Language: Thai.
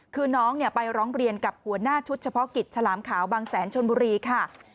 คือน้องไปร้องเรียนกับหัวหน้าชุดเฉพาะกิจฉลามขาวบางแสนชนบุรีค่ะ